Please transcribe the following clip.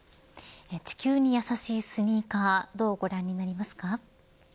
地球に優しいスニーカーどうご覧になりますか。